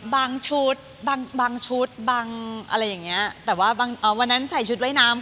ชุดบางบางชุดบางอะไรอย่างเงี้ยแต่ว่าบางวันนั้นใส่ชุดว่ายน้ำ